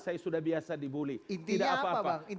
saya sudah biasa dibully